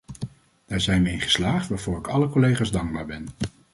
Daar zijn we in geslaagd, waarvoor ik alle collega's dankbaar ben.